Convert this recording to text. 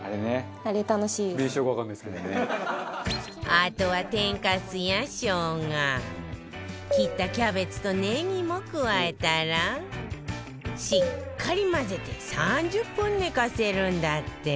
あとは天かすや生姜切ったキャベツとネギも加えたらしっかり混ぜて３０分寝かせるんだって